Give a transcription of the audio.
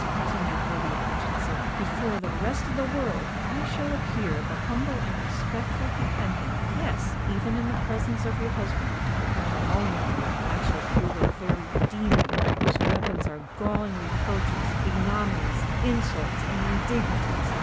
continued Lydia Hutchinson. "Before the rest of the world I shall appear the humble and respectful dependant—yes, even in the presence of your husband. But when alone with you, I shall prove a very demon, whose weapons are galling reproaches, ignominies, insults, and indignities."